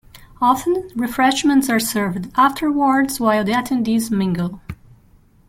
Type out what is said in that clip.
Often, refreshments are served afterwards while the attendees mingle.